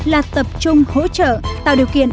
là tập trung hỗ trợ tạo điều kiện